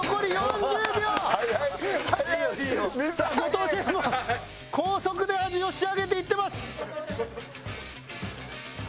後藤シェフも高速で味を仕上げていってます！